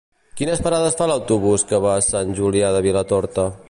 Quines parades fa l'autobús que va a Sant Julià de Vilatorta?